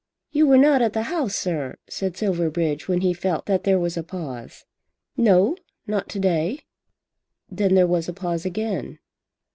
"You were not at the House, sir," said Silverbridge when he felt that there was a pause. "No, not to day." Then there was a pause again.